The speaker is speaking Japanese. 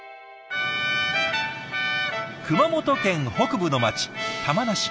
熊本県北部の町玉名市。